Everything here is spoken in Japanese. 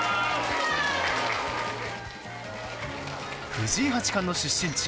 藤井八冠の出身地